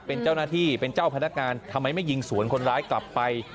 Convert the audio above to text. เป็นเจ้าหน้าที่เป็นเจ้าพนักงานทำไมไม่ยิงสวนคนร้ายกลับไป